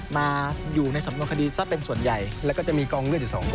มาอยู่ในสำนวนคดีซะเป็นส่วนใหญ่แล้วก็จะมีกองเลือดอยู่สองตัว